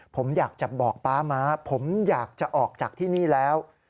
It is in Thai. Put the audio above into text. ผมอยากจะบอกป๊าม้าผมอยากจะออกจากที่นี่แล้ว